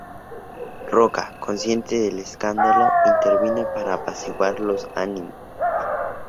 Roca, consciente del escándalo, intervino para apaciguar lo ánimos.